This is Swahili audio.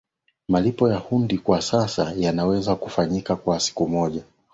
malipo ya hundi kwa sasa yanaweza kufanyika kwa siku moja